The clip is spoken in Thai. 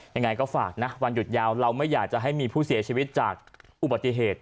ยังไงก็ฝากนะวันหยุดยาวเราไม่อยากจะให้มีผู้เสียชีวิตจากอุบัติเหตุ